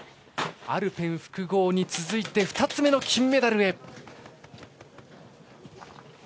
アルペン、複合に続いて２つ目の金メダルへ。